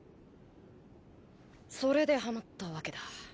それではまったわけだ。